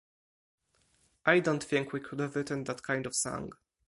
I don't think we could have written that kind of song.